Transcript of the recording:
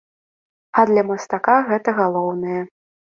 А для мастака гэта галоўнае.